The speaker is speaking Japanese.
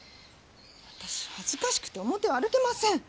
私恥ずかしくて表を歩けません。